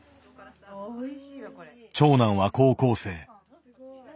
長男は高校生。